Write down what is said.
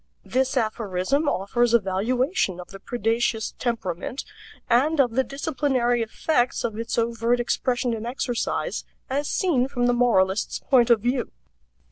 This aphorism offers a valuation of the predaceous temperament, and of the disciplinary effects of its overt expression and exercise, as seen from the moralist's point of view.